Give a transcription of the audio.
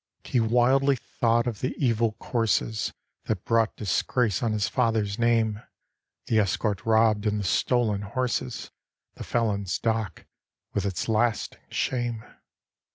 He wildly thought of the evil courses That brought disgrace on his father's name; The escort robbed, and the stolen horses, The felon's dock with its lasting shame.